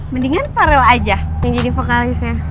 mendingan farel aja yang jadi vokalisnya